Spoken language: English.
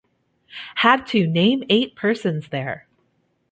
Had to name eight persons there.